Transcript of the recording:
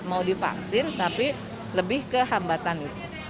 mau divaksin tapi lebih ke hambatan itu